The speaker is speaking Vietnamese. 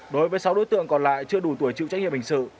đối với sáu đối tượng còn lại chưa đủ tuổi chịu trách nhiệm hình sự